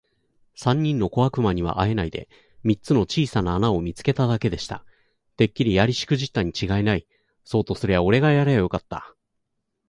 三人の小悪魔にはあえないで、三つの小さな穴を見つけただけでした。「てっきりやりしくじったにちがいない。そうとすりゃおれがやりゃよかった。」